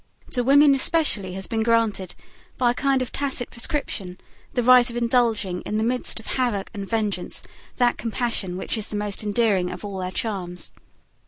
To women especially has been granted, by a kind of tacit prescription, the right of indulging in the midst of havoc and vengeance, that compassion which is the most endearing of all their charms.